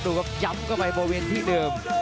ดูครับย้ำเข้าไปบริเวณที่เดิม